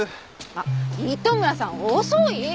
あっ糸村さん遅い！